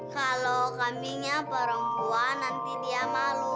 kalau kaminya perempuan nanti dia malu